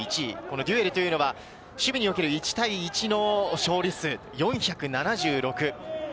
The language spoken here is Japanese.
デュエルというのは守備における１対１の勝利数、４７６。